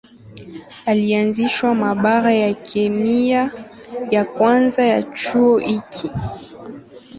Alianzisha maabara ya kemia ya kwanza ya chuo hiki.